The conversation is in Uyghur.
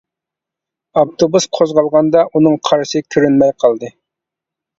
ئاپتوبۇس قوزغالغاندا ئۇنىڭ قارىسى كۆرۈنمەي قالدى.